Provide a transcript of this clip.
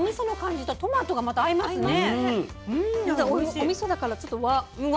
おみそだからちょっと和。